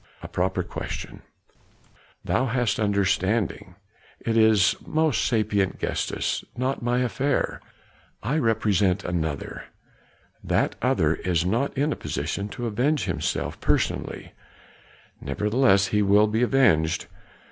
A proper question; thou hast understanding. It is most sapient Gestas not my affair. I represent another; that other is not in a position to avenge himself personally, nevertheless he will be avenged.